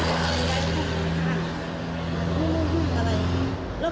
ไปเล่นเรื่องมันจะไม่ได้